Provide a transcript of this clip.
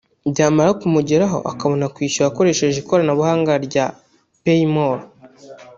byamara kumugeraho akabona kwishyura akoresheje ikoranabuhanga rya ‘PayMall